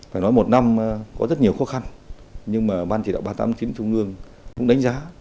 phải nói một năm có rất nhiều khó khăn nhưng mà ban chỉ đạo ba trăm tám mươi chín trung ương cũng đánh giá